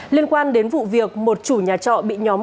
liên quan đến vụ việc một chủ nhà trọ bị nhóm